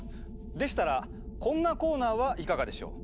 でしたらこんなコーナーはいかがでしょう？